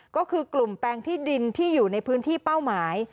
ก็คือกลุ่มแปลงที่ดินที่อยู่ในพื้นที่เป้าหมาย